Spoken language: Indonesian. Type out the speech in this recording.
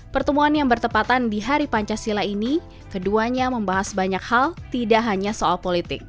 pertemuan yang bertepatan di hari pancasila ini keduanya membahas banyak hal tidak hanya soal politik